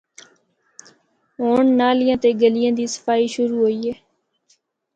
ہونڑ نالیاں تے گلیاں دی صفائی شروع ہوئی ہے۔